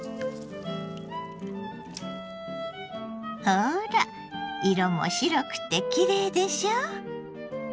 ほら色も白くてきれいでしょ！